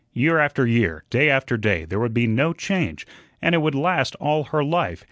Year after year, day after day, there would be no change, and it would last all her life.